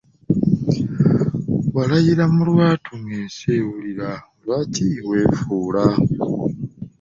Walayira mu lwatu ng'ensi ewulira lwaki weefuula?